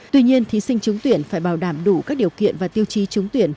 tuy nhiên thí sinh trung tuyển phải bảo đảm đủ các điều kiện và tiêu chí trung tuyển